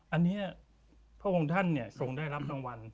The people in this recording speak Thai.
อันนี้พระองค์ท่านทรงได้รับรางวัล